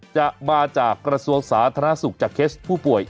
จะมาจากกระทรวงสาธารณสุขจากเคสผู้ป่วย